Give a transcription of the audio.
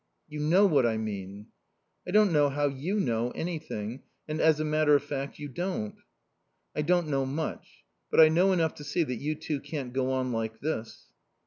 "You know what I mean." "I don't know how you know anything. And, as a matter of fact, you don't." "I don't know much. But I know enough to see that you two can't go on like this."